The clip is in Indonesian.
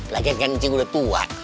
lagian kian cinggu udah tua